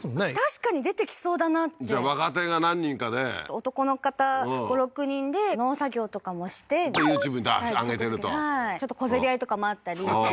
確かに出てきそうだなってじゃあ若手が何人かで男の方５６人で農作業とかもしてでＹｏｕＴｕｂｅに上げてるとはいちょっと小競り合いとかもあったりははは